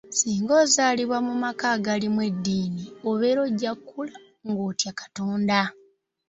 "Singa ozaalibwa mu maka agalimu eddiini, obeera ojja kukula nga otya Katonda."